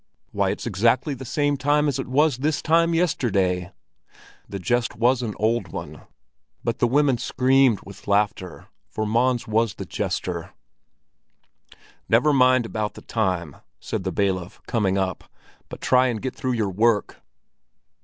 "Why, it's exactly the same time as it was this time yesterday." The jest was an old one, but the women screamed with laughter; for Mons was the jester. "Never mind about the time," said the bailiff, coming up. "But try and get through your work."